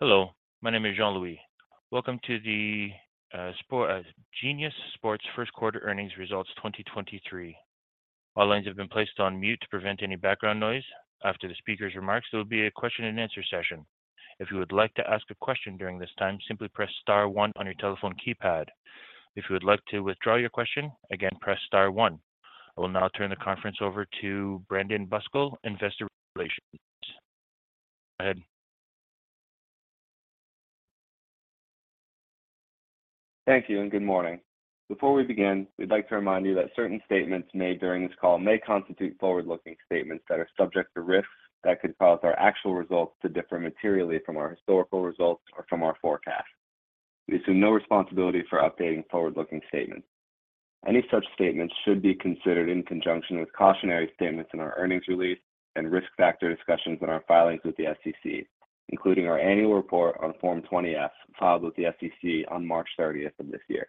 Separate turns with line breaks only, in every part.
Hello, my name is Jean-Louis. Welcome to the Genius Sports First Quarter Earnings Results 2023. All lines have been placed on mute to prevent any background noise. After the speaker's remarks, there will be a question and answer session. If you would like to ask a question during this time, simply press star one on your telephone keypad. If you would like to withdraw your question, again, press star one. I will now turn the conference over to Brandon Bukstel, Investor Relations. Go ahead.
Thank you and good morning. Before we begin, we'd like to remind you that certain statements made during this call may constitute forward-looking statements that are subject to risks that could cause our actual results to differ materially from our historical results or from our forecast. We assume no responsibility for updating forward-looking statements. Any such statements should be considered in conjunction with cautionary statements in our earnings release and risk factor discussions in our filings with the SEC, including our annual report on Form 20-F filed with the SEC on March 30th of this year.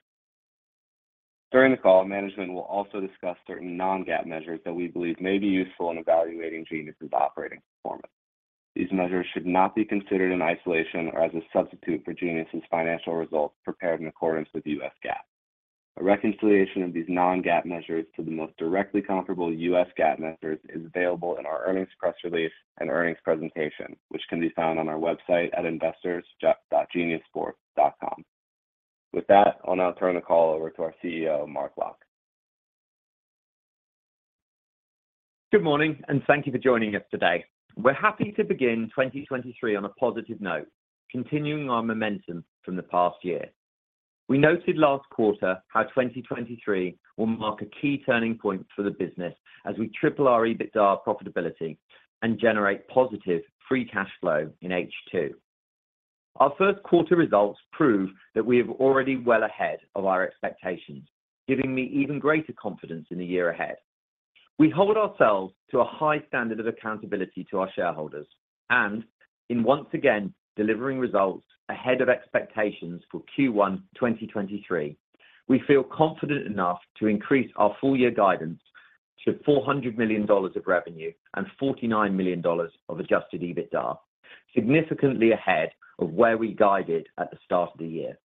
During the call, management will also discuss certain non-GAAP measures that we believe may be useful in evaluating Genius's operating performance. These measures should not be considered in isolation or as a substitute for Genius's financial results prepared in accordance with US GAAP. A reconciliation of these non-GAAP measures to the most directly comparable US GAAP measures is available in our earnings press release and earnings presentation, which can be found on our website at investors.geniussports.com. With that, I'll now turn the call over to our CEO, Mark Locke.
Good morning, and thank you for joining us today. We're happy to begin 2023 on a positive note, continuing our momentum from the past year. We noted last quarter how 2023 will mark a key turning point for the business as we triple our EBITDA profitability and generate positive free cash flow in H2. Our first quarter results prove that we are already well ahead of our expectations, giving me even greater confidence in the year ahead. We hold ourselves to a high standard of accountability to our shareholders, and in once again delivering results ahead of expectations for Q1 2023, we feel confident enough to increase our full year guidance to $400 million of revenue and $49 million of adjusted EBITDA, significantly ahead of where we guided at the start of the year.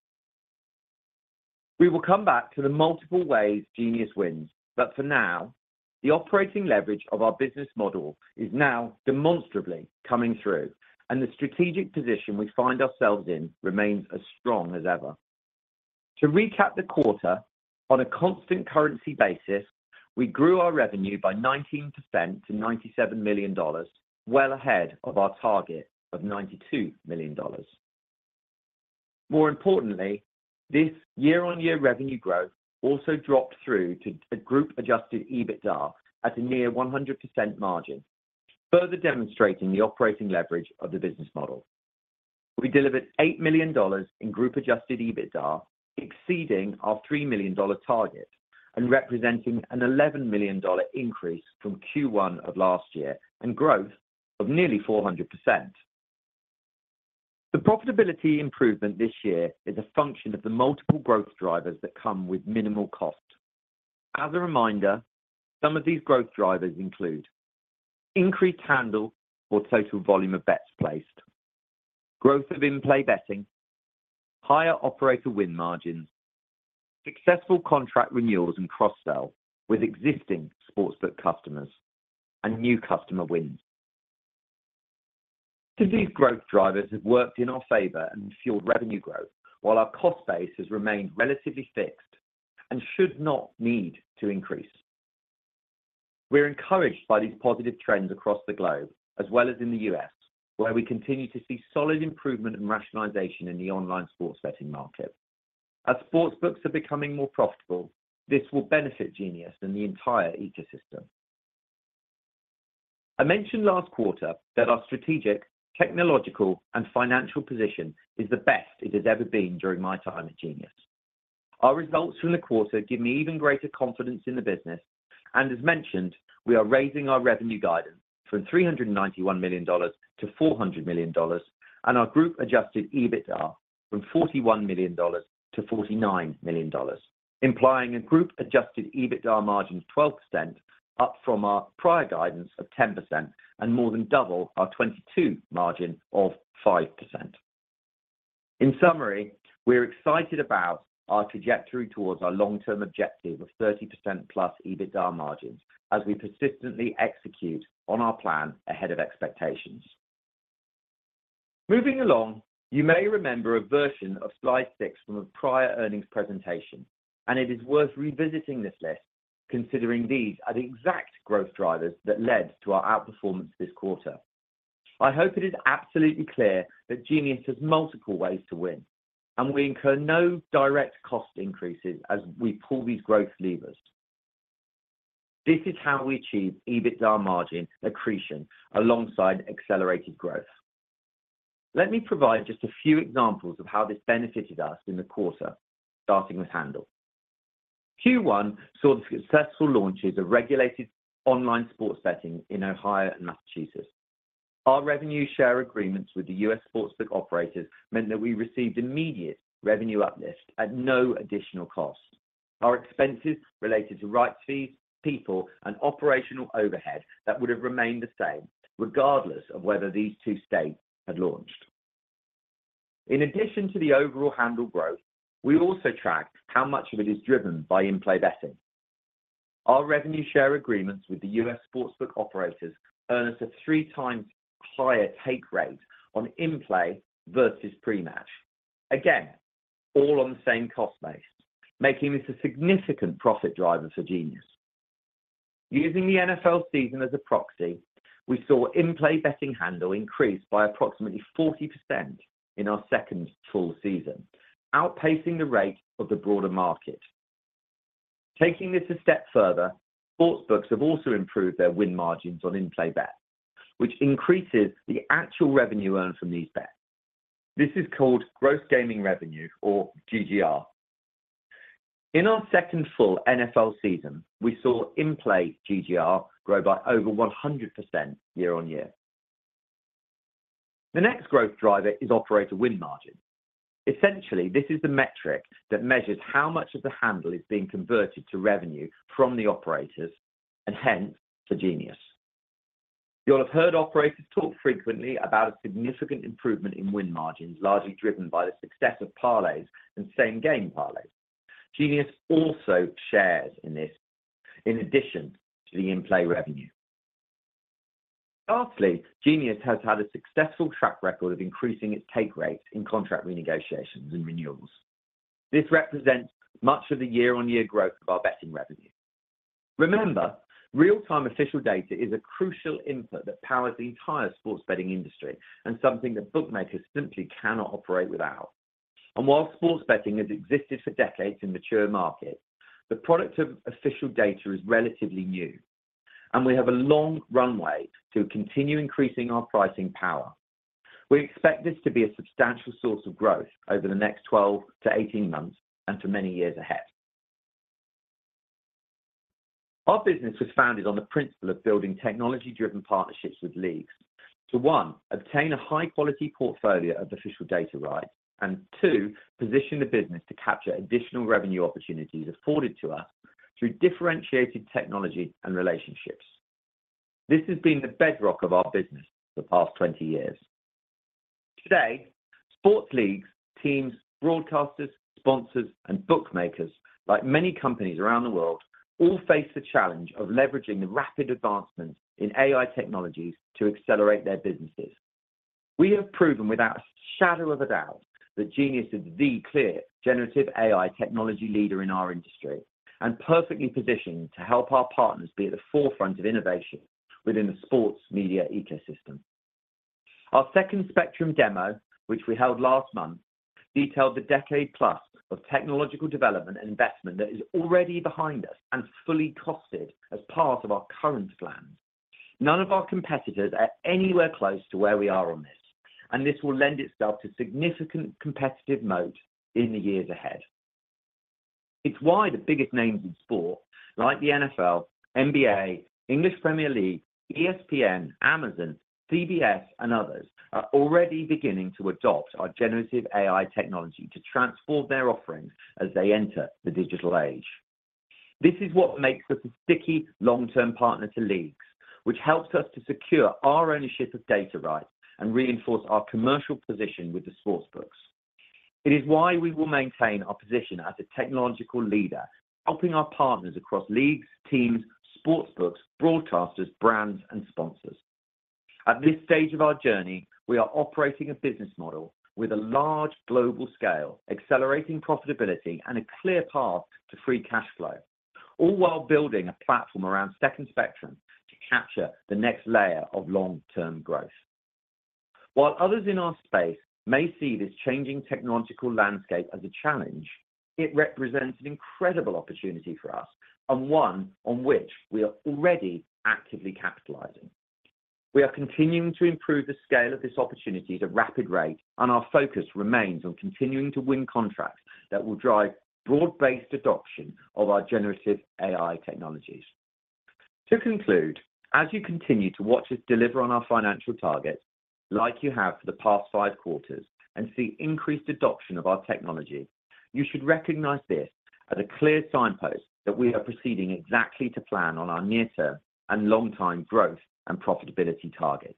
We will come back to the multiple ways Genius wins. For now, the operating leverage of our business model is now demonstrably coming through, and the strategic position we find ourselves in remains as strong as ever. To recap the quarter, on a constant currency basis, we grew our revenue by 19% to $97 million, well ahead of our target of $92 million. More importantly, this year-over-year revenue growth also dropped through to a Group Adjusted EBITDA at a near 100% margin, further demonstrating the operating leverage of the business model. We delivered $8 million in Group Adjusted EBITDA, exceeding our $3 million target and representing an $11 million increase from Q1 of last year and growth of nearly 400%. The profitability improvement this year is a function of the multiple growth drivers that come with minimal cost. As a reminder, some of these growth drivers include increased handle or total volume of bets placed, growth of in-play betting, higher operator win margins, successful contract renewals and cross-sell with existing sportsbook customers and new customer wins. These growth drivers have worked in our favor and fueled revenue growth while our cost base has remained relatively fixed and should not need to increase. We're encouraged by these positive trends across the globe, as well as in the U.S., where we continue to see solid improvement and rationalization in the online sports betting market. As sportsbooks are becoming more profitable, this will benefit Genius and the entire ecosystem. I mentioned last quarter that our strategic, technological, and financial position is the best it has ever been during my time at Genius. Our results from the quarter give me even greater confidence in the business. As mentioned, we are raising our revenue guidance from $391 million to $400 million and our Group Adjusted EBITDA from $41 million to $49 million, implying a Group Adjusted EBITDA margin of 12% up from our prior guidance of 10% and more than double our 2022 margin of 5%. In summary, we're excited about our trajectory towards our long-term objective of 30%+ EBITDA margins as we persistently execute on our plan ahead of expectations. Moving along, you may remember a version of slide 6 from a prior earnings presentation. It is worth revisiting this list, considering these are the exact growth drivers that led to our outperformance this quarter. I hope it is absolutely clear that Genius has multiple ways to win. We incur no direct cost increases as we pull these growth levers. This is how we achieve EBITDA margin accretion alongside accelerated growth. Let me provide just a few examples of how this benefited us in the quarter, starting with handle. Q1 saw the successful launches of regulated online sports betting in Ohio and Massachusetts. Our revenue share agreements with the U.S. sportsbook operators meant that we received immediate revenue uplift at no additional cost. Our expenses related to rights fees, people and operational overhead that would have remained the same regardless of whether these two states had launched. In addition to the overall handle growth, we also track how much of it is driven by in-play betting. Our revenue share agreements with the U.S. sportsbook operators earn us a 3 times higher take rate on in-play versus pre-match. All on the same cost base, making this a significant profit driver for Genius. Using the NFL season as a proxy, we saw in-play betting handle increase by approximately 40% in our second full season, outpacing the rate of the broader market. Taking this a step further, sportsbooks have also improved their win margins on in-play bets, which increases the actual revenue earned from these bets. This is called gross gaming revenue, or GGR. In our second full NFL season, we saw in-play GGR grow by over 100% year-on-year. The next growth driver is operator win margin. Essentially, this is the metric that measures how much of the handle is being converted to revenue from the operators and hence to Genius. You'll have heard operators talk frequently about a significant improvement in win margins, largely driven by the success of parlays and same-game parlays. Genius also shares in this in addition to the in-play revenue. Lastly, Genius has had a successful track record of increasing its take rates in contract renegotiations and renewals. This represents much of the year-on-year growth of our betting revenue. Remember, real-time official data is a crucial input that powers the entire sports betting industry and something that bookmakers simply cannot operate without. While sports betting has existed for decades in mature markets, the product of official data is relatively new, and we have a long runway to continue increasing our pricing power. We expect this to be a substantial source of growth over the next 12 to 18 months and for many years ahead. Our business was founded on the principle of building technology-driven partnerships with leagues to, one, obtain a high-quality portfolio of official data rights, and two, position the business to capture additional revenue opportunities afforded to us through differentiated technology and relationships. This has been the bedrock of our business for the past 20 years. Today, sports leagues, teams, broadcasters, sponsors, and bookmakers, like many companies around the world, all face the challenge of leveraging the rapid advancements in AI technologies to accelerate their businesses. We have proven without a shadow of a doubt that Genius Sports is the clear generative AI technology leader in our industry and perfectly positioned to help our partners be at the forefront of innovation within the sports media ecosystem. Our Second Spectrum demo, which we held last month, detailed the decade-plus of technological development and investment that is already behind us and fully costed as part of our current plans. None of our competitors are anywhere close to where we are on this. This will lend itself to significant competitive moat in the years ahead. It's why the biggest names in sport, like the NFL, NBA, English Premier League, ESPN, Amazon, CBS, and others, are already beginning to adopt our generative AI technology to transform their offerings as they enter the digital age. This is what makes us a sticky long-term partner to leagues, which helps us to secure our ownership of data rights and reinforce our commercial position with the sportsbooks. It is why we will maintain our position as a technological leader, helping our partners across leagues, teams, sportsbooks, broadcasters, brands, and sponsors. At this stage of our journey, we are operating a business model with a large global scale, accelerating profitability and a clear path to free cash flow, all while building a platform around Second Spectrum to capture the next layer of long-term growth. While others in our space may see this changing technological landscape as a challenge, it represents an incredible opportunity for us and one on which we are already actively capitalizing. We are continuing to improve the scale of this opportunity at a rapid rate, and our focus remains on continuing to win contracts that will drive broad-based adoption of our generative AI technologies. To conclude, as you continue to watch us deliver on our financial targets like you have for the past five quarters and see increased adoption of our technology, you should recognize this as a clear signpost that we are proceeding exactly to plan on our near-term and long-time growth and profitability targets.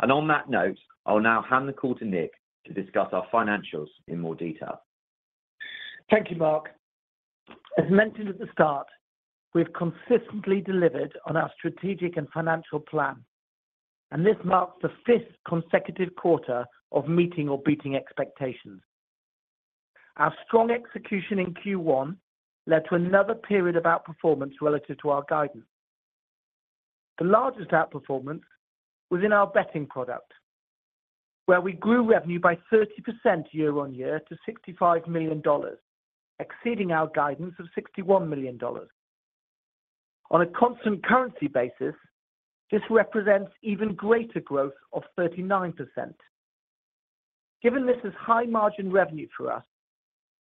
On that note, I will now hand the call to Nick to discuss our financials in more detail.
Thank you, Mark. As mentioned at the start, we have consistently delivered on our strategic and financial plan. This marks the fifth consecutive quarter of meeting or beating expectations. Our strong execution in Q1 led to another period of outperformance relative to our guidance. The largest outperformance was in our betting product, where we grew revenue by 30% year-on-year to $65 million, exceeding our guidance of $61 million. On a constant currency basis, this represents even greater growth of 39%. Given this is high-margin revenue for us,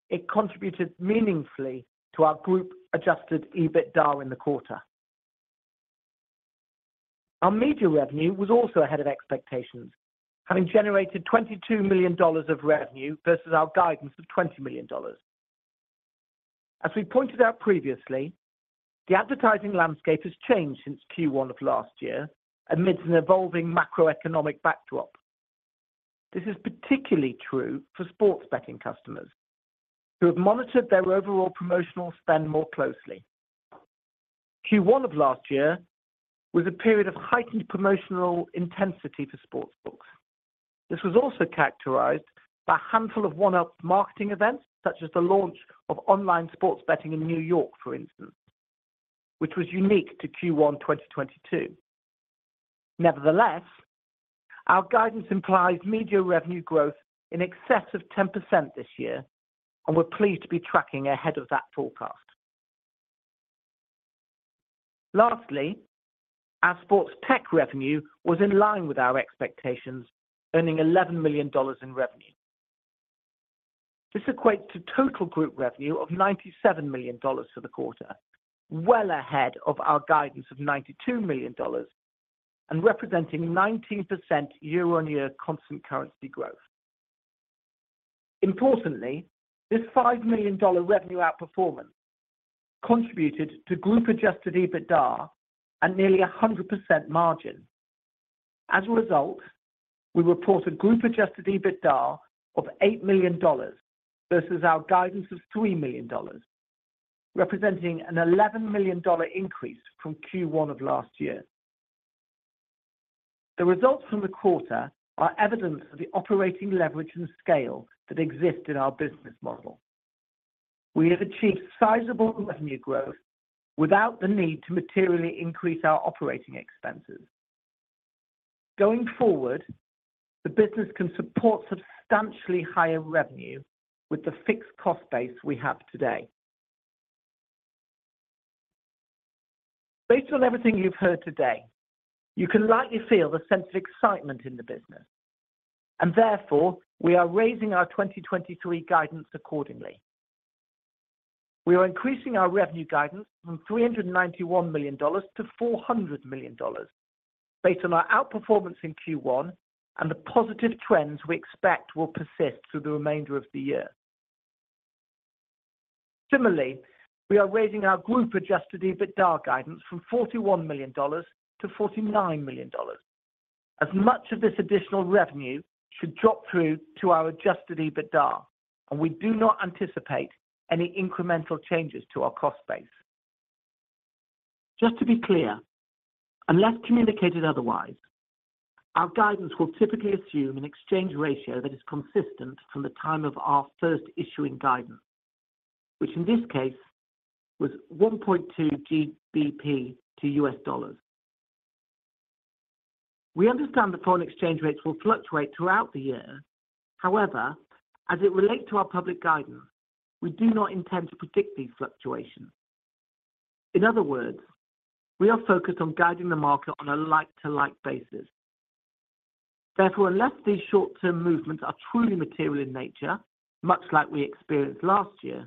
it contributed meaningfully to our Group Adjusted EBITDA in the quarter. Our media revenue was also ahead of expectations, having generated $22 million of revenue versus our guidance of $20 million. As we pointed out previously, the advertising landscape has changed since Q1 of last year amidst an evolving macroeconomic backdrop. This is particularly true for sports betting customers who have monitored their overall promotional spend more closely. Q1 of last year was a period of heightened promotional intensity for sportsbooks. This was also characterized by a handful of one-off marketing events, such as the launch of online sports betting in New York, for instance, which was unique to Q1 2022. Nevertheless, our guidance implies media revenue growth in excess of 10% this year, and we're pleased to be tracking ahead of that forecast. Lastly, our Sports Tech revenue was in line with our expectations, earning $11 million in revenue. This equates to total group revenue of $97 million for the quarter, well ahead of our guidance of $92 million and representing 19% year-on-year constant currency growth. Importantly, this $5 million revenue outperformance contributed to Group Adjusted EBITDA at nearly a 100% margin. As a result, we report a Group Adjusted EBITDA of $8 million versus our guidance of $3 million, representing an $11 million increase from Q1 of last year. The results from the quarter are evidence of the operating leverage and scale that exist in our business model. We have achieved sizable revenue growth without the need to materially increase our operating expenses. Going forward, the business can support substantially higher revenue with the fixed cost base we have today. Based on everything you've heard today, you can likely feel the sense of excitement in the business, and therefore, we are raising our 2023 guidance accordingly. We are increasing our revenue guidance from $391 million to $400 million based on our outperformance in Q1 and the positive trends we expect will persist through the remainder of the year. Similarly, we are raising our Group Adjusted EBITDA guidance from $41 million to $49 million as much of this additional revenue should drop through to our adjusted EBITDA, and we do not anticipate any incremental changes to our cost base. Just to be clear, unless communicated otherwise, our guidance will typically assume an exchange ratio that is consistent from the time of our first issuing guidance, which in this case was 1.2 GBP to USD. We understand the foreign exchange rates will fluctuate throughout the year. However, as it relates to our public guidance, we do not intend to predict these fluctuations. In other words, we are focused on guiding the market on a like-to-like basis. Unless these short-term movements are truly material in nature, much like we experienced last year,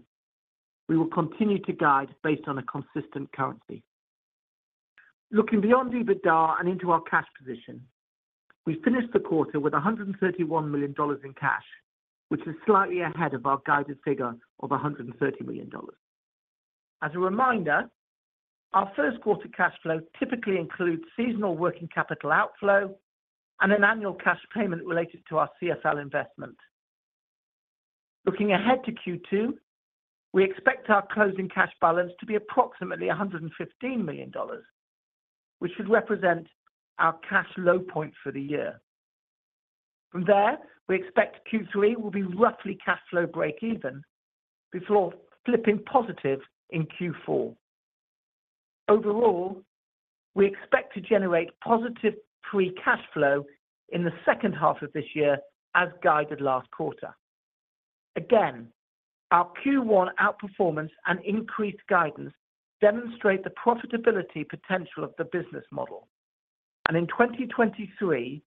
we will continue to guide based on a consistent currency. Looking beyond EBITDA and into our cash position, we finished the quarter with $131 million in cash, which is slightly ahead of our guided figure of $130 million. Our first quarter cash flow typically includes seasonal working capital outflow and an annual cash payment related to our CSL investment. Looking ahead to Q2, we expect our closing cash balance to be approximately $115 million, which should represent our cash low point for the year. We expect Q3 will be roughly cash flow breakeven before flipping positive in Q4. Overall, we expect to generate positive free cash flow in the second half of this year as guided last quarter. Our Q1 outperformance and increased guidance demonstrate the profitability potential of the business model. In 2023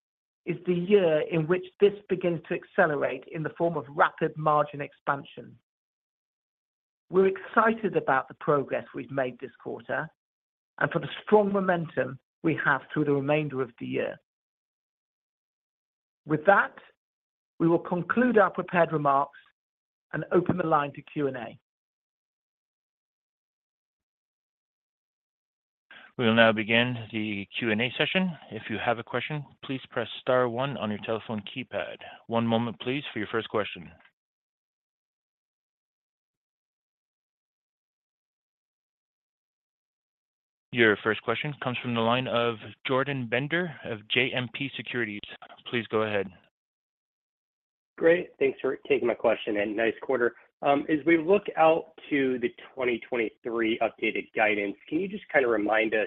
is the year in which this begins to accelerate in the form of rapid margin expansion. We're excited about the progress we've made this quarter and for the strong momentum we have through the remainder of the year. With that, we will conclude our prepared remarks and open the line to Q&A.
We will now begin the Q&A session. If you have a question, please press star one on your telephone keypad. One moment please for your first question. Your first question comes from the line of Jordan Bender of JMP Securities. Please go ahead.
Great. Thanks for taking my question, and nice quarter. As we look out to the 2023 updated guidance, can you just kind of remind us,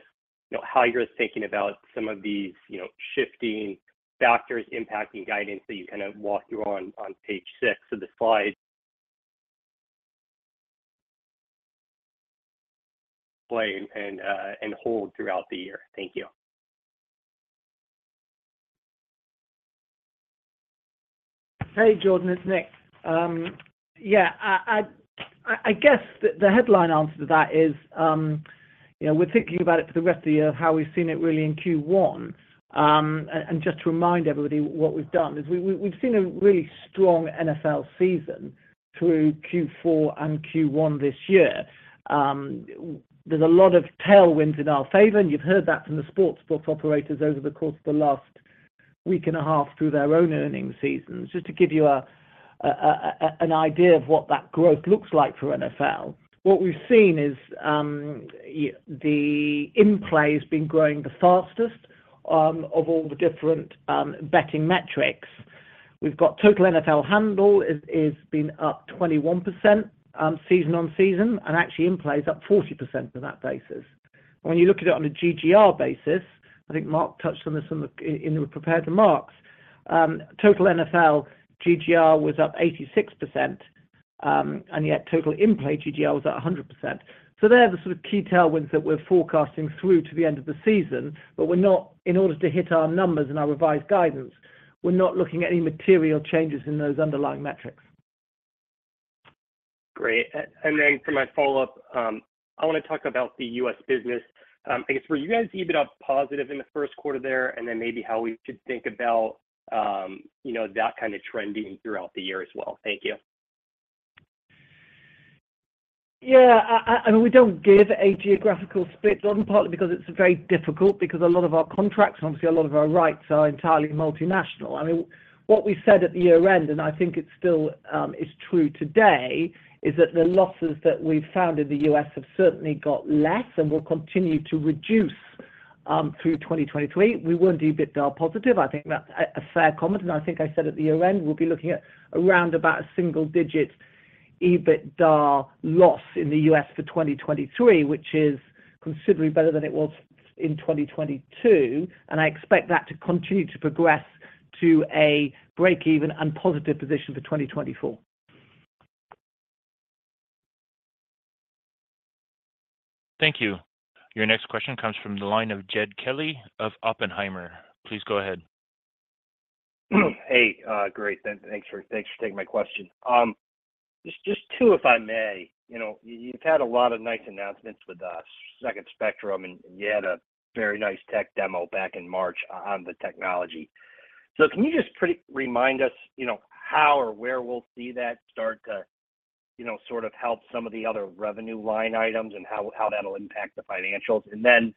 you know, how you're thinking about some of these, you know, shifting factors impacting guidance that you kind of walk through on page 6 of the slide play and hold throughout the year? Thank you.
Hey, Jordan, it's Nick. I guess the headline answer to that is, you know, we're thinking about it for the rest of the year of how we've seen it really in Q1. Just to remind everybody what we've done is we've seen a really strong NFL season through Q4 and Q1 this year. There's a lot of tailwinds in our favor, and you've heard that from the sportsbook operators over the course of the last week and a half through their own earnings seasons. Just to give you an idea of what that growth looks like for NFL, what we've seen is, the in-play has been growing the fastest of all the different betting metrics. We've got total NFL handle is been up 21%, season on season, and actually in-play is up 40% on that basis. When you look at it on a GGR basis, I think Mark touched on this in the prepared remarks, total NFL GGR was up 86%, and yet total in-play GGR was at 100%. They're the sort of key tailwinds that we're forecasting through to the end of the season, but we're not in order to hit our numbers and our revised guidance, we're not looking at any material changes in those underlying metrics.
Great. Then for my follow-up, I want to talk about the U.S. business. I guess, were you guys EBITDA positive in the first quarter there, and then maybe how we should think about, you know, that kind of trending throughout the year as well? Thank you.
Yeah. I mean, we don't give a geographical split, Jordan, partly because it's very difficult because a lot of our contracts, obviously a lot of our rights are entirely multinational. I mean, what we said at the year-end, and I think it still is true today, is that the losses that we've found in the U.S. have certainly got less and will continue to reduce through 2023. We weren't EBITDA positive. I think that's a fair comment. I think I said at the year-end, we'll be looking at around about a single-digit EBITDA loss in the U.S. for 2023, which is considerably better than it was in 2022, and I expect that to continue to progress to a break-even and positive position for 2024.
Thank you. Your next question comes from the line of Jed Kelly of Oppenheimer. Please go ahead.
Hey, great. Thanks for taking my question. Just two, if I may. You know, you've had a lot of nice announcements with Second Spectrum, and you had a very nice tech demo back in March on the technology. Can you just remind us, you know, how or where we'll see that start to, you know, sort of help some of the other revenue line items and how that'll impact the financials? Then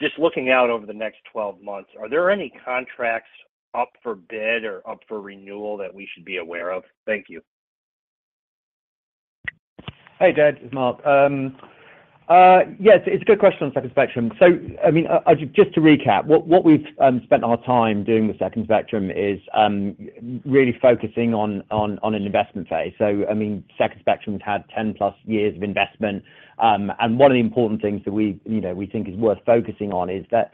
just looking out over the next 12 months, are there any contracts up for bid or up for renewal that we should be aware of? Thank you.
Hey, Jed, it's Mark. Yes, it's a good question on Second Spectrum. I mean, just to recap, what we've spent our time doing with Second Spectrum is really focusing on an investment phase. I mean, Second Spectrum has had 10 plus years of investment. One of the important things that we, you know, we think is worth focusing on is that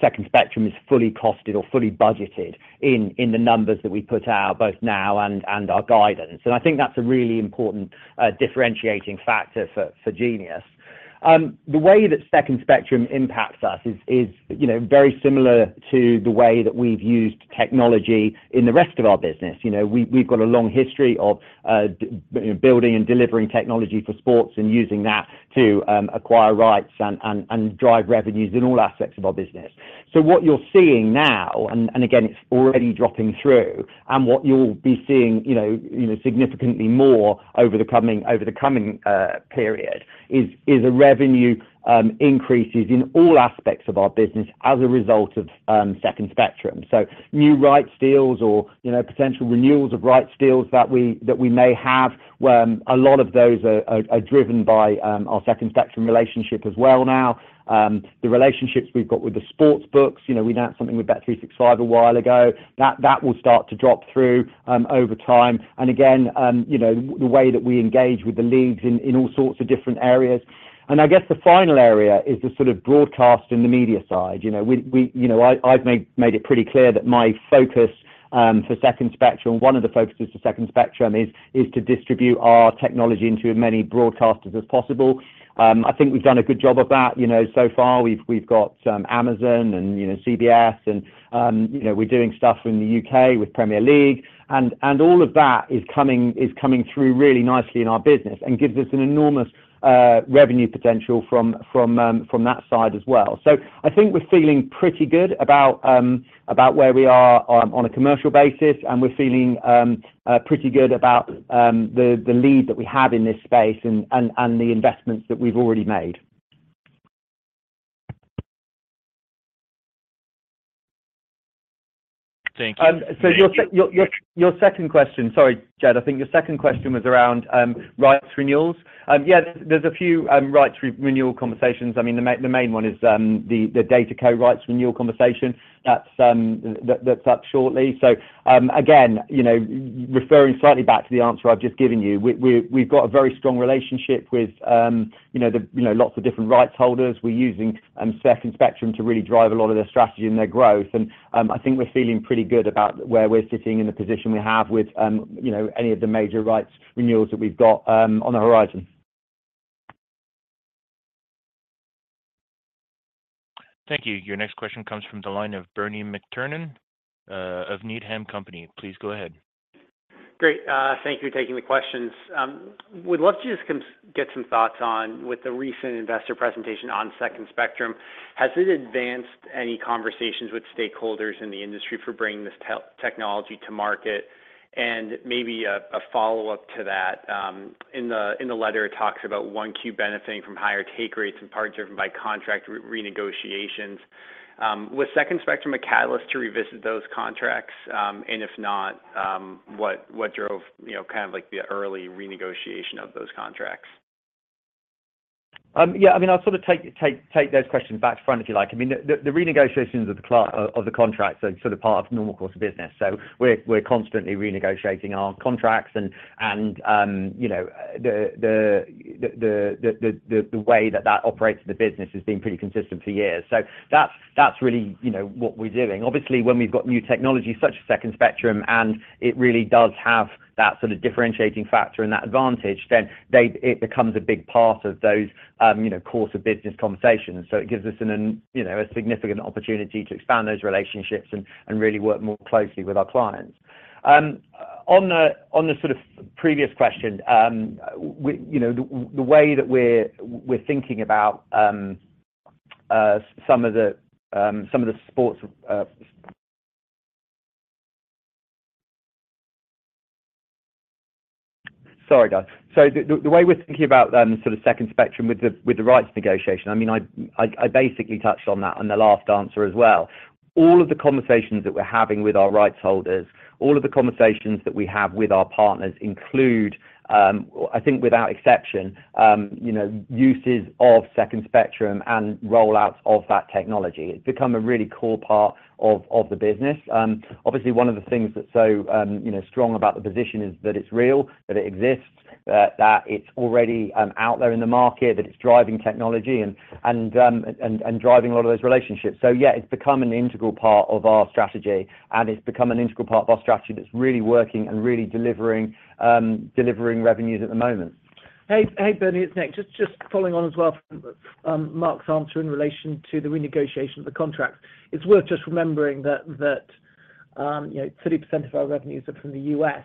Second Spectrum is fully costed or fully budgeted in the numbers that we put out both now and our guidance. I think that's a really important differentiating factor for Genius. The way that Second Spectrum impacts us is, you know, very similar to the way that we've used technology in the rest of our business. You know, we've got a long history of building and delivering technology for sports and using that to acquire rights and drive revenues in all aspects of our business. What you're seeing now, and again, it's already dropping through, and what you'll be seeing, you know, significantly more over the coming period, is a revenue increases in all aspects of our business as a result of Second Spectrum. New rights deals or, you know, potential renewals of rights deals that we may have, where a lot of those are driven by our Second Spectrum relationship as well now. The relationships we've got with the sportsbooks, you know, we announced something with bet365 a while ago, that will start to drop through over time. Again, you know, the way that we engage with the leagues in all sorts of different areas. I guess the final area is the sort of broadcast in the media side. You know, we, you know, I've made it pretty clear that my focus for Second Spectrum, one of the focuses for Second Spectrum is to distribute our technology into as many broadcasters as possible. I think we've done a good job of that. You know, so far, we've got Amazon and, you know, CBS, and, you know, we're doing stuff in the U.K. with Premier League, and all of that is coming through really nicely in our business and gives us an enormous revenue potential from that side as well. I think we're feeling pretty good about where we are on a commercial basis, and we're feeling pretty good about the lead that we have in this space and the investments that we've already made.
Thank you.
Your second question, sorry, Jed, I think your second question was around rights renewals. There's a few rights renewal conversations. I mean, the main one is the Football DataCo rights renewal conversation. That's that's up shortly. Again, you know, referring slightly back to the answer I've just given you, we've got a very strong relationship with, you know, lots of different rights holders. We're using Second Spectrum to really drive a lot of their strategy and their growth. And I think we're feeling pretty good about where we're sitting and the position we have with, you know, any of the major rights renewals that we've got on the horizon.
Thank you. Your next question comes from the line of Bernie McTernan of Needham Company. Please go ahead.
Great. Thank you for taking the questions. Would love to just get some thoughts on with the recent investor presentation on Second Spectrum, has it advanced any conversations with stakeholders in the industry for bringing this technology to market? Maybe a follow-up to that, in the, in the letter, it talks about 1Q benefiting from higher take rates in part driven by contract renegotiations. Was Second Spectrum a catalyst to revisit those contracts? If not, what drove, you know, kind of like the early renegotiation of those contracts?
Yeah, I mean, I'll sort of take those questions back to front, if you like. I mean, the renegotiations of the contracts are sort of part of normal course of business. We're constantly renegotiating our contracts and, you know, the way that that operates in the business has been pretty consistent for years. That's really, you know, what we're doing. Obviously, when we've got new technology such as Second Spectrum, and it really does have that sort of differentiating factor and that advantage, then it becomes a big part of those, you know, course of business conversations. It gives us, you know, a significant opportunity to expand those relationships and really work more closely with our clients. On the sort of previous question, you know, the way that we're thinking about some of the sports. Sorry, guys. The way we're thinking about sort of Second Spectrum with the rights negotiation, I mean, I basically touched on that in the last answer as well. All of the conversations that we're having with our rights holders, all of the conversations that we have with our partners include, I think without exception, you know, uses of Second Spectrum and rollouts of that technology. It's become a really core part of the business. Obviously, one of the things that's so, you know, strong about the position is that it's real, that it exists, that it's already, out there in the market, that it's driving technology and driving a lot of those relationships. Yeah, it's become an integral part of our strategy, and it's become an integral part of our strategy that's really working and really delivering revenues at the moment.
Hey, Bernie, it's Nick. Just following on as well from Mark's answer in relation to the renegotiation of the contract. It's worth just remembering that, you know, 30% of our revenues are from the U.S.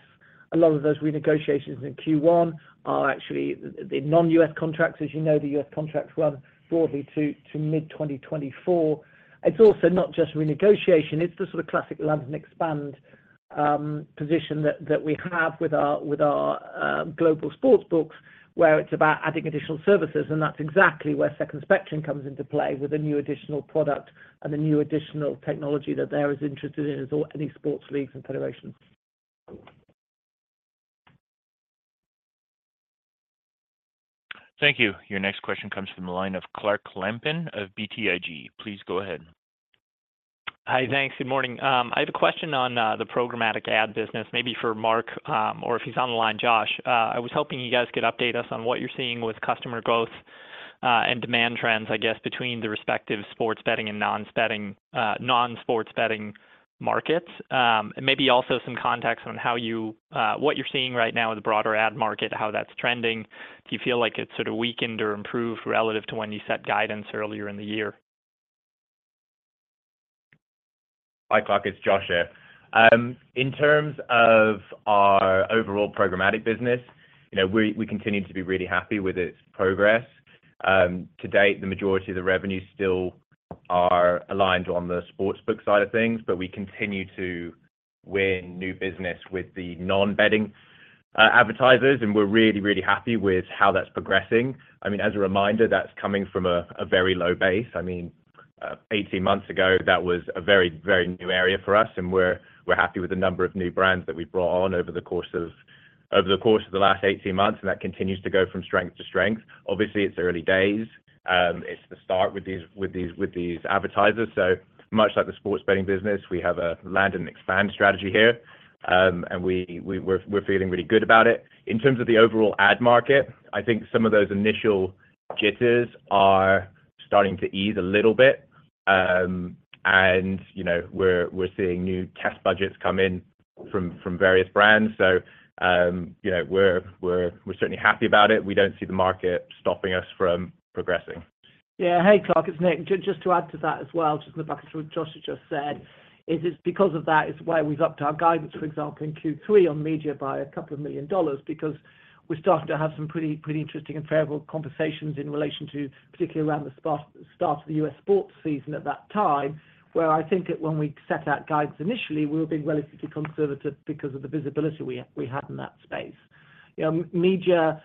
A lot of those renegotiations in Q1 are actually the non-U.S. contracts. As you know, the U.S. contracts run broadly to mid-2024. It's also not just renegotiation, it's the sort of classic land and expand position that we have with our global sportsbooks, where it's about adding additional services, and that's exactly where Second Spectrum comes into play with a new additional product and a new additional technology that they're as interested in as any sports leagues and federations.
Thank you. Your next question comes from the line of Clark Lampen of BTIG. Please go ahead.
Hi. Thanks. Good morning. I have a question on the programmatic ad business, maybe for Mark, or if he's on the line, Josh. I was hoping you guys could update us on what you're seeing with customer growth and demand trends, I guess, between the respective sports betting and non-betting, non-sports betting markets. Maybe also some context on how you, what you're seeing right now in the broader ad market, how that's trending. Do you feel like it's sort of weakened or improved relative to when you set guidance earlier in the year?
Hi, Clark, it's Josh here. In terms of our overall programmatic business, you know, we continue to be really happy with its progress. To date, the majority of the revenues still are aligned on the sportsbook side of things, but we continue to win new business with the non-betting advertisers, and we're really, really happy with how that's progressing. I mean, as a reminder, that's coming from a very low base. I mean, 18 months ago, that was a very, very new area for us, and we're happy with the number of new brands that we've brought on over the course of the last 18 months, and that continues to go from strength to strength. Obviously, it's early days. It's the start with these advertisers. Much like the sports betting business, we have a land and expand strategy here. We're feeling really good about it. In terms of the overall ad market, I think some of those initial jitters are starting to ease a little bit. You know, we're seeing new test budgets come in from various brands. You know, we're certainly happy about it. We don't see the market stopping us from progressing.
Yeah. Hey, Clark, it's Nick. Just to add to that as well, just on the back of what Josh has just said, is it's because of that, it's why we've upped our guidance, for example, in Q3 on media by $2 million because we're starting to have some pretty interesting and favorable conversations in relation to particularly around the start of the U.S. sports season at that time, where I think that when we set that guidance initially, we were being relatively conservative because of the visibility we had in that space. You know, media,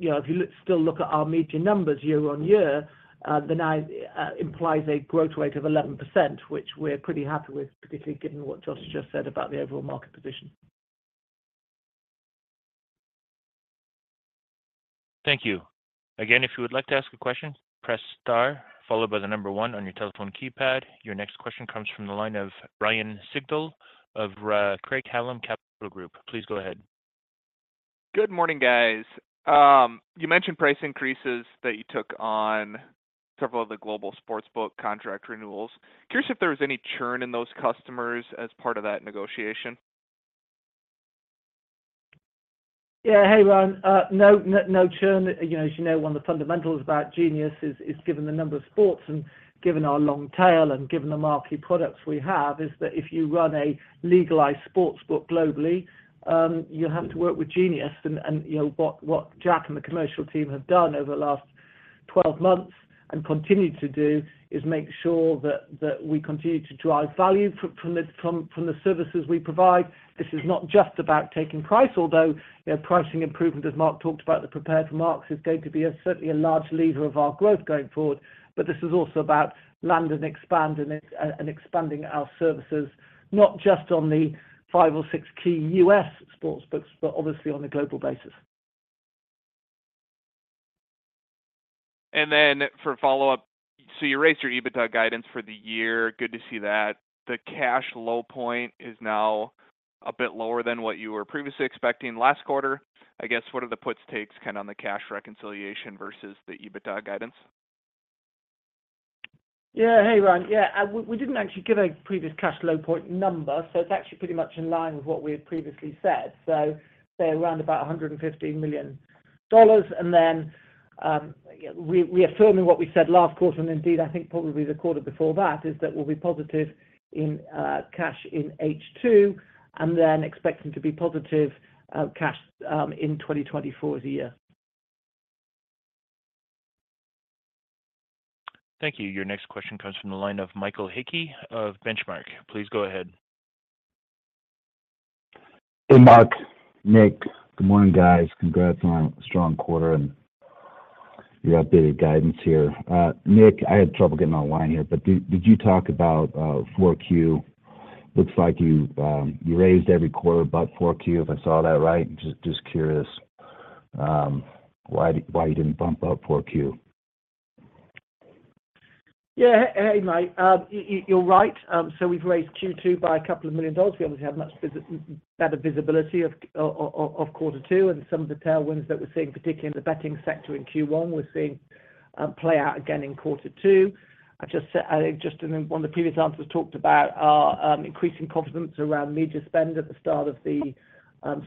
you know, if you still look at our media numbers year-on-year, then implies a growth rate of 11%, which we're pretty happy with, particularly given what Josh just said about the overall market position.
Thank you. Again, if you would like to ask a question, press star followed by 1 on your telephone keypad. Your next question comes from the line of Ryan Sigdahl of Craig-Hallum Capital Group. Please go ahead.
Good morning, guys. You mentioned price increases that you took on several of the global sportsbook contract renewals. Curious if there was any churn in those customers as part of that negotiation?
Yeah. Hey, Ron. No churn. You know, as you know, one of the fundamentals about Genius is given the number of sports and given our long tail and given the marquee products we have, is that if you run a legalized sportsbook globally, you have to work with Genius. You know, what Jack and the commercial team have done over the last 12 months and continue to do is make sure that we continue to drive value from the services we provide. This is not just about taking price, although, you know, pricing improvement, as Mark talked about the prepared remarks, is going to be a certainly a large leader of our growth going forward. This is also about land and expand and expanding our services, not just on the 5 or 6 key U.S. sportsbooks, but obviously on a global basis.
For follow-up, you raised your EBITDA guidance for the year, good to see that. The cash low point is now a bit lower than what you were previously expecting last quarter. I guess, what are the puts, takes kind of on the cash reconciliation versus the EBITDA guidance?
Hey, Ron. We didn't actually give a previous cash low point number, it's actually pretty much in line with what we had previously said. Say around about $115 million. Reaffirming what we said last quarter, and indeed, I think probably the quarter before that, is that we'll be positive in cash in H2 expecting to be positive cash in 2024 as a year.
Thank you. Your next question comes from the line of Mike Hickey of Benchmark. Please go ahead.
Hey, Mark, Nick. Good morning, guys. Congrats on a strong quarter and your updated guidance here. Nick, I had trouble getting online here, but did you talk about 4Q? Looks like you raised every quarter but 4Q, if I saw that right. Just curious why you didn't bump up 4Q?
Yeah. Hey, Mike. You're right. We've raised Q2 by a couple of million dollars. We obviously have much better visibility of quarter two and some of the tailwinds that we're seeing, particularly in the betting sector in Q1, we're seeing play out again in quarter two. I just said, I just in one of the previous answers talked about our increasing confidence around media spend at the start of the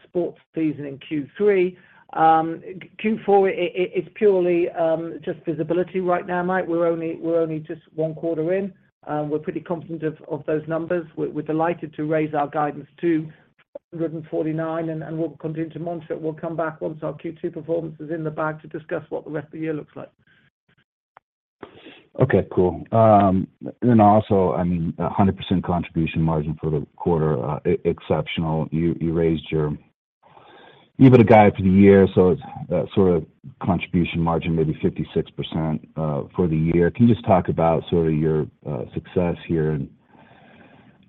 sports season in Q3. Q4 it's purely just visibility right now, Mike. We're only just one quarter in. We're pretty confident of those numbers. We're delighted to raise our guidance to 249, and we'll continue to monitor it. We'll come back once our Q2 performance is in the bag to discuss what the rest of the year looks like.
Okay, cool. Also, I mean, 100% contribution margin for the quarter, exceptional. You raised your EBITDA guide for the year, so it's sort of contribution margin, maybe 56%, for the year. Can you just talk about sort of your success here in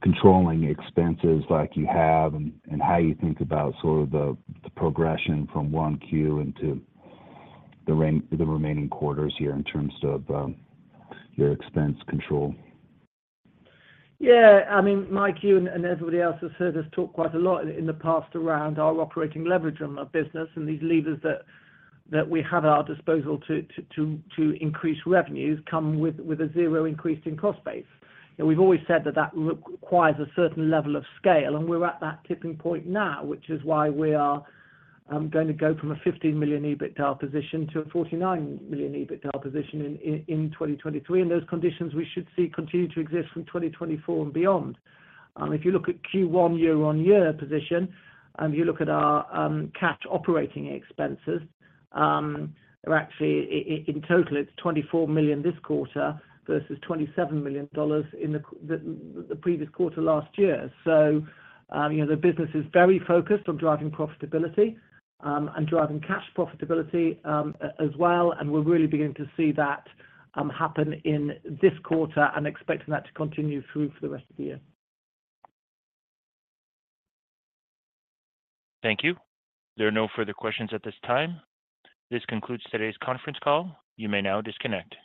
controlling expenses like you have and how you think about sort of the progression from 1Q into the remaining quarters here in terms of your expense control?
Yeah, I mean, Mike, you and everybody else has heard us talk quite a lot in the past around our operating leverage on our business and these levers that we have at our disposal to increase revenues come with a zero increase in cost base. We've always said that that requires a certain level of scale, and we're at that tipping point now, which is why we are going to go from a $15 million EBITDA position to a $49 million EBITDA position in 2023. Those conditions we should see continue to exist from 2024 and beyond. If you look at Q1 year-on-year position and you look at our cash operating expenses, they're actually in total it's $24 million this quarter versus $27 million in the previous quarter last year. You know, the business is very focused on driving profitability, and driving cash profitability, as well, and we're really beginning to see that happen in this quarter and expecting that to continue through for the rest of the year.
Thank you. There are no further questions at this time. This concludes today's conference call. You may now disconnect.